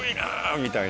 みたいな。